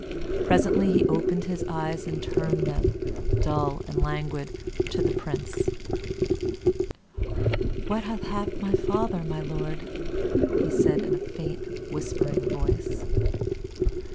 Presently he opened his eyes and turned them, dull and languid, to the Prince. "What hath happed my father, my Lord?" said he, in a faint, whispering voice.